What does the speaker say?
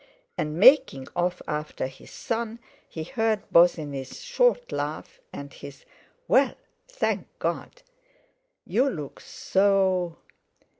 And, making off after his son, he heard Bosinney's short laugh, and his "Well, thank God! You look so...."